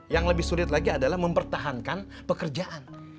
yang lebih sulit lagi adalah mempertahankan pekerjaan